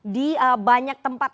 di banyak tempat